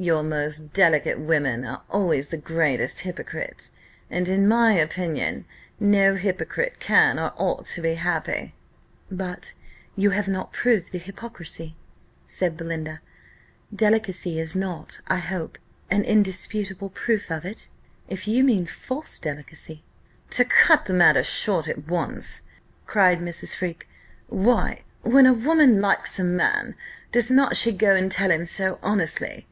Your most delicate women are always the greatest hypocrites; and, in my opinion, no hypocrite can or ought to be happy." "But you have not proved the hypocrisy," said Belinda. "Delicacy is not, I hope, an indisputable proof of it? If you mean false delicacy " "To cut the matter short at once," cried Mrs. Freke, "why, when a woman likes a man, does not she go and tell him so honestly?"